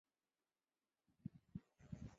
山噪鹛。